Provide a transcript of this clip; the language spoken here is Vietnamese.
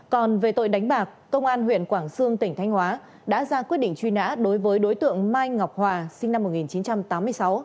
còn về tội đánh bạc công an huyện quảng sương tỉnh thanh hóa đã ra quyết định truy nã đối với đối tượng mai ngọc hòa sinh năm một nghìn chín trăm tám mươi sáu